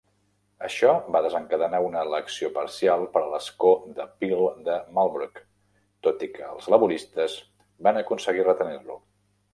Això va desencadenar una elecció parcial per a l'escó de Peel de Marlborough, tot i que els laboristes van aconseguir retenir-lo.